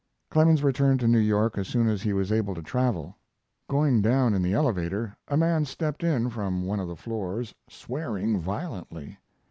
Clemens returned to New York as soon as he was able to travel. Going down in the elevator a man stepped in from one of the floors swearing violently.